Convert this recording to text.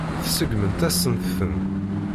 Tseggmemt-asent-ten.